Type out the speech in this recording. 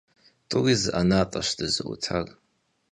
ТӀури зы ӀэнатӀэщ дызыӀутар.